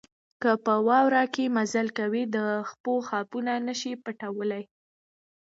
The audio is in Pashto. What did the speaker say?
که په واوره کې مزل کوئ د پښو خاپونه نه شئ پټولای.